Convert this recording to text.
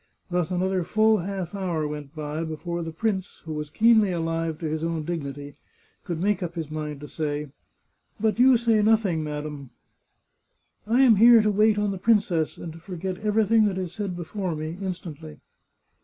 Thus another full half hour went by before the prince, who was keenly alive to his own dignity, could make up his mind to say, " But you say noth ing, madam !"" I am here to wait on the princess, and to forget every thing that is said before me, instantly."